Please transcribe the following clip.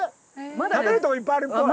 食べるところいっぱいあるっぽい。